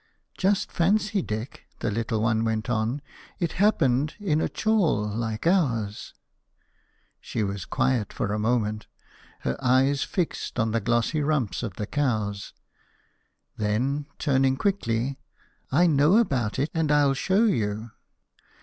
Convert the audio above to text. "Just fancy, Dick," the little one went on, "it happened in a chall like ours!" She was quiet for a moment, her eyes fixed on the glossy rumps of the cows. Then, turning quickly "I know about it, and I'll show you.